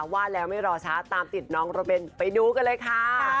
ว่าแล้วไม่รอช้าตามติดน้องโรเบนไปดูกันเลยค่ะ